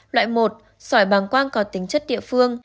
loại bằng quang có tính chất địa phương